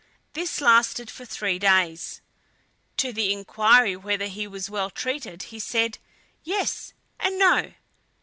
This lasted for three days; to the inquiry whether he was well treated, he said "Yes and no!"